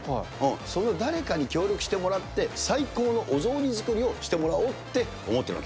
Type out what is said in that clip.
その誰かに協力してもらって、最高のお雑煮作りをしてもらおうって思ってるわけ。